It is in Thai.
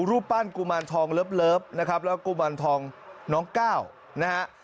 รูปปั้นกุมารทองเลิฟนะครับแล้วกุมารทองน้องก้าวนะฮะ